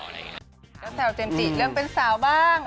ก็แซวเจมส์จิเรื่องเป็นสาวบ้าง